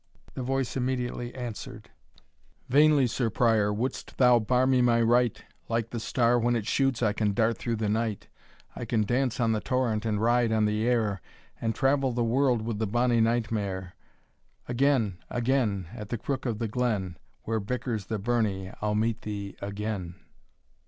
The voice immediately answered: "Vainly, Sir Prior, wouldst thou bar me my right! Like the star when it shoots, I can dart through the night; I can dance on the torrent and ride on the air, And travel the world with the bonny night mare. Again, again, At the crook of the glen, Where bickers the burnie, I'll meet thee again."